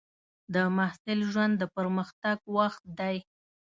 د محصل ژوند د پرمختګ وخت دی.